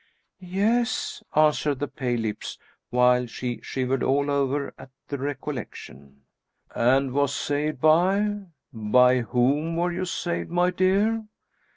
"Yes," answered the pale lips, while she shivered all over at the recollection. "And was saved by by whom were you saved, my dear?"